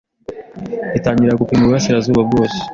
itangirira gupima iburasirazuba bwose